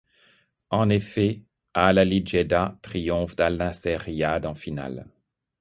En effet, Al Ahly Djeddah triomphe d'Al Nasr Riyad en finale.